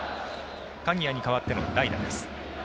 鍵谷に代わっての代打です。